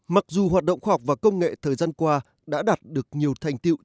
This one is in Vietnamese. mặc dù hoạt động khoa học và công nghệ thời gian qua đã đạt được nhiều thành tiệu